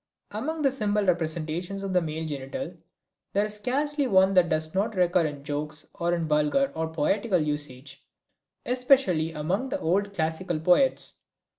Among the symbol representations of the male genital there is scarcely one that does not recur in jokes or in vulgar or poetical usage, especially among the old classical poets.